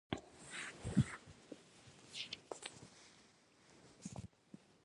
توندلاري طالبان او منځلاري طالبان.